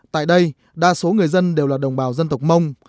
tại đây đa số người dân đều là đồng bào dân tộc mông